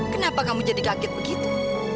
kenapa kamu jadi kaget begitu